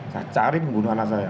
saya cari membunuh anak saya